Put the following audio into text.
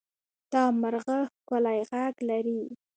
دا مرغه ښکلی غږ لري.